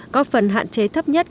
có phần hạn chế thấp nhất